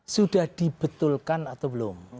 sudah dibetulkan atau belum